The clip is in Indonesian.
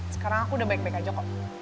sekarang aku udah baik baik aja kok